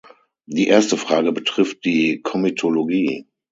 Die erste Frage betrifft die Komitologie.